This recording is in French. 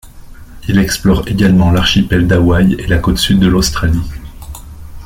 Il explore également l'archipel d'Hawaï et la côte sud de l'Australie.